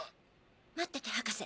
待ってて博士。